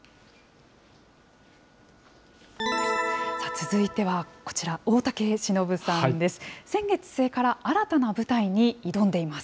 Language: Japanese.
続いてはこちら、大竹しのぶさんです。